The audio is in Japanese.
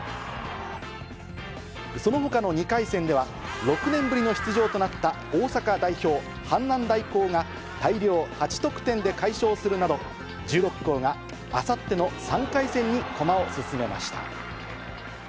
そのほかの２回戦では、６年ぶりの出場となった大阪代表、阪南大高が大量８得点で快勝するなど、１６校があさっての３回戦に駒を進めました。